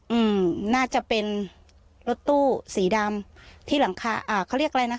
อืมน่าจะเป็นรถตู้สีดำที่หลังคาอ่าเขาเรียกอะไรนะคะ